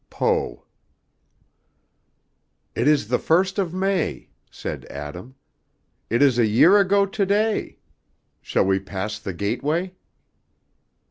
POE. "It is the first of May," said Adam. "It is a year ago to day. Shall we pass the gateway?"